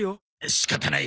仕方ない。